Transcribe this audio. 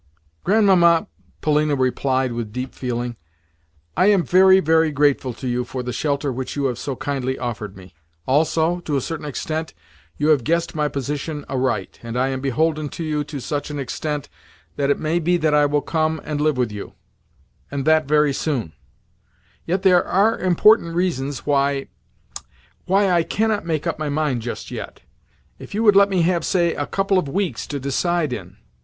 "Grandmamma," Polina replied with deep feeling, "I am very, very grateful to you for the shelter which you have so kindly offered me. Also, to a certain extent you have guessed my position aright, and I am beholden to you to such an extent that it may be that I will come and live with you, and that very soon; yet there are important reasons why—why I cannot make up my mind just yet. If you would let me have, say, a couple of weeks to decide in—?"